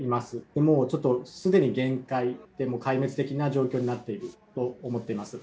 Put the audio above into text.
もうちょっとすでに限界で、壊滅的な状況になっていると思っています。